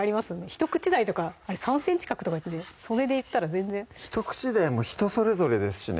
ひと口大とかあれ３ｃｍ角とかそれでいったら全然ひと口大も人それぞれですしね